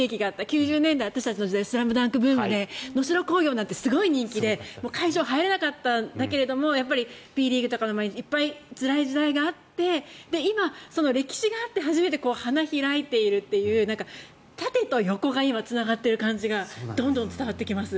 ９０年代私たちの世代は「ＳＬＡＭＤＵＮＫ」ブームで能代工業なんてすごい人気で会場は入れなかったけれどもＢリーグとかいっぱいつらい時代があって今、歴史があって初めて花開いているという縦と横が今つながってる感じがどんどん伝わってきています。